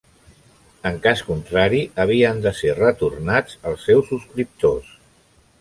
En cas contrari, havien de ser retornats als seus escriptors.